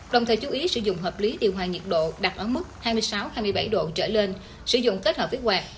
đồng thời chú ý sử dụng hợp lý điều hòa nhiệt độ đạt ở mức hai mươi sáu hai mươi bảy độ trở lên sử dụng kết hợp với quạt